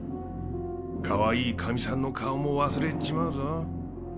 かわいいかみさんの顔も忘れっちまうぞ。